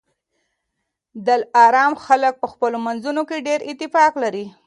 د دلارام خلک په خپلو منځونو کي ډېر اتفاق لري